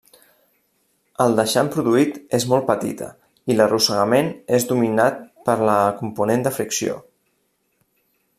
El deixant produït és molt petita i l'arrossegament és dominat per la component de fricció.